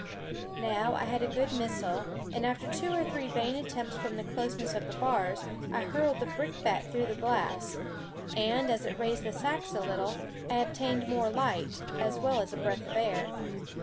Now, I had a good missile, and after two or three vain attempts from the closeness of the bars, I hurled the brick bat through the glass; and, as it raised the sacks a little, I obtained more light, as well as a breath of air.